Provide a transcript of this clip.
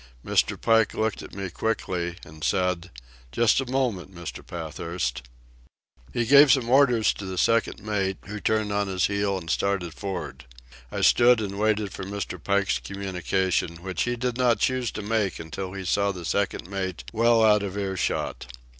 Mr. Pike looked at me quickly and said: "Just a moment, Mr. Pathurst." He gave some orders to the second mate, who turned on his heel and started for'ard. I stood and waited for Mr. Pike's communication, which he did not choose to make until he saw the second mate well out of ear shot.